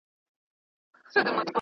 د مطالعې میتودونه توپیر لري.